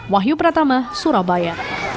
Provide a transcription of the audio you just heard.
wahyu pratama surabaya